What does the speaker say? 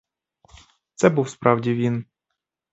Це був справді він.